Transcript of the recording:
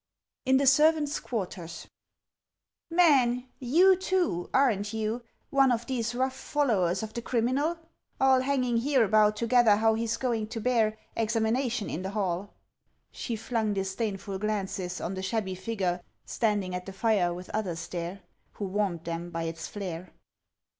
IN THE SERVANTS' QUARTERS "MAN, you too, aren't you, one of these rough followers of the criminal? All hanging hereabout to gather how he's going to bear Examination in the hall." She flung disdainful glances on The shabby figure standing at the fire with others there, Who warmed them by its flare.